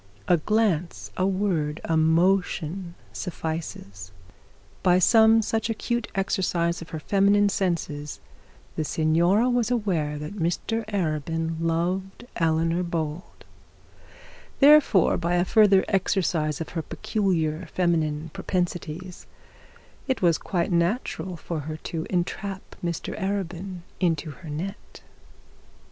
A glance, a word, a motion, suffices: by some such acute exercise of her feminine senses the signora was aware that Mr Arabin loved Eleanor Bold; and therefore, by a further exercise of her peculiar feminine propensities, it was quite natural for her to entrap Mr Arabin into her net.